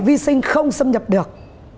vi sinh không xâm nhập được